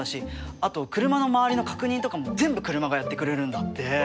あと車の周りの確認とかも全部車がやってくれるんだって。